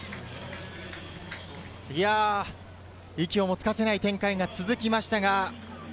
息をもつかせない展開が続きました。